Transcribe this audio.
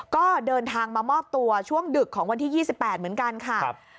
ก็เดินทางมามอบตัวช่วงดึกของวันที่๒๘เหมือนกันค่ะ